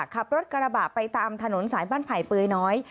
ขับรถกระบะไปตามถนนสายบ้านไผ่เปยน้อย